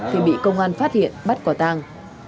thì bị công an phát hiện bắt quả tàng